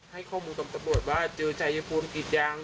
ให้ข้อมูลกับตำรวจว่าเจอชายพลกรีดยาง